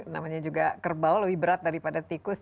namanya juga kerbau lebih berat daripada tikus